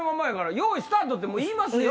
よいスタートって言いますよ。